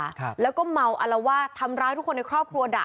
ครับแล้วก็เมาอลวาดทำร้ายทุกคนในครอบครัวด่า